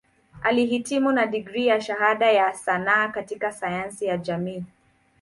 Alihitimu na digrii ya Shahada ya Sanaa katika Sayansi ya Jamii.